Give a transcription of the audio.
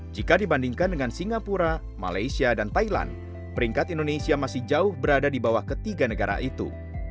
jika dibandingkan dengan singapura malaysia dan thailand peringkat indonesia masih jauh berada di bawah ketiga negara itu